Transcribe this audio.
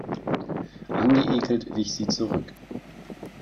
Angeekelt wich sie zurück.